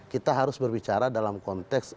kita harus berbicara dalam konteks